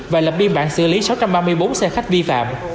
và lập biên bản xử lý sáu trăm ba mươi bốn xe khách vi phạm